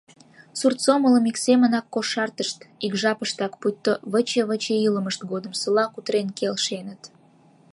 Сурт сомылым ик семынак кошартышт — ик жапыштак, пуйто выче-выче илымышт годымсыла кутырен келшеныт.